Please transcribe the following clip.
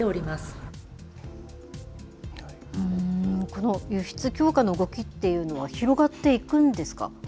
この輸出強化の動きっていうのは、広がっていくんですか。